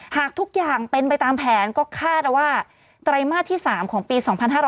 หากทุกอย่างเป็นไปตามแผนก็คาดว่าไตรมาสที่๓ของปี๒๕๕๙